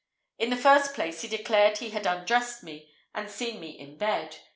In the first place, he declared he had undressed me, and seen me in bed.